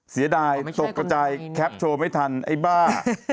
เสียดายตกกระจายแคปโชว์ไม่ทันไอ้บ้า